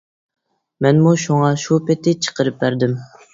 مەنمۇ شۇڭا شۇ پېتى چىقىرىپ بەردىم.